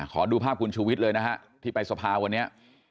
ขอดูภาพคุณชุวิตเลยนะครับที่ไปสภาวะนี้